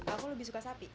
aku lebih suka sapi